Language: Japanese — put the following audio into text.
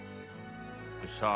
さあ